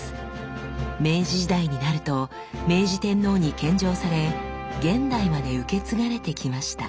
明治時代になると明治天皇に献上され現代まで受け継がれてきました。